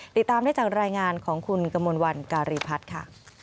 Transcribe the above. ติดตามได้จากรายงานของคุณกมลวันการีพัฒน์ค่ะ